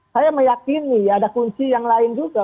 saya meyakini ada kunci yang lain juga